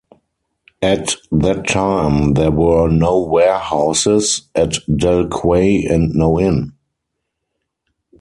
At that time there were no warehouses at Dell Quay and no inn.